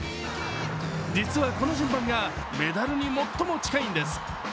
実はこの順番がメダルに最も近いんです。